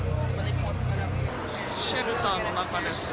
シェルターの中です。